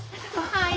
はい！